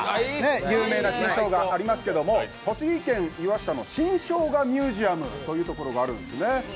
有名な新生姜ありますけど栃木県の岩下の新生姜ミュージアムというところがあるんですね。